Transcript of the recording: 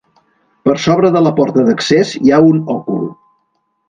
Per sobre de la porta d'accés, hi ha un òcul.